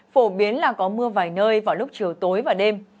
phổ biến là có mưa vài nơi vào lúc chiều tối và đêm